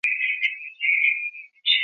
古培雷火山遗骸目前仍在火山北部。